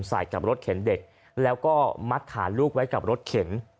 ใส่กับรถเข็นเด็กแล้วก็มัดขาลูกไว้กับรถเข็น